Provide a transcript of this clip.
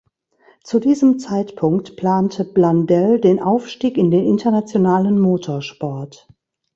Zu diesem Zeitpunkt plante Blundell den Aufstieg in den internationalen Motorsport.